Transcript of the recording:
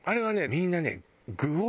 みんなね。